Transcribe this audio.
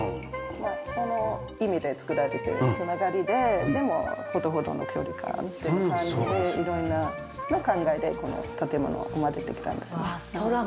その意味で作られて繋がりででもほどほどの距離感っていう感じで色んな考えでこの建物生まれてきたんですね。